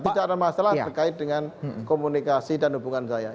tidak ada masalah terkait dengan komunikasi dan hubungan saya